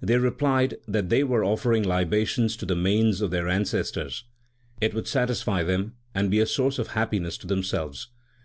They replied that they were offering libations to the manes of their ancestors. It would satisfy them, and be a source of happiness to themselves.